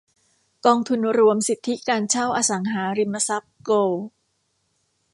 กองทุนรวมสิทธิการเช่าอสังหาริมทรัพย์โกลด์